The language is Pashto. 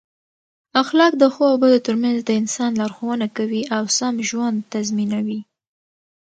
اخلاق د ښو او بدو ترمنځ د انسان لارښوونه کوي او سم ژوند تضمینوي.